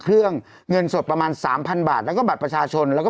เงินสดประมาณสามพันบาทแล้วก็บัตรประชาชนแล้วก็